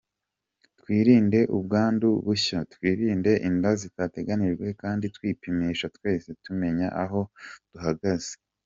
Twirinde ubwandu bushya, twirinde inda zitateganijwe kandi twipimishe twese tumenye aho duhagaze.